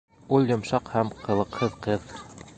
Ул йомшаҡ һәм ҡылыҡһыҙ ҡыҙ.